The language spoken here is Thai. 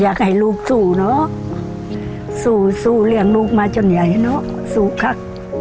อยากให้ลูกสู่จนไหนนะสู่เรียกลูกมาจนใหญ่นะสู่คัก